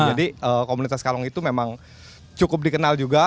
jadi komunitas kalong itu memang cukup dikenal juga